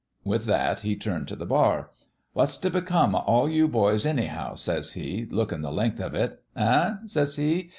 With that he turned t' the bar. ' What's t' become o' all you^boys, anyhow?' says he, lookin' the length of it. 'Eh?' says he.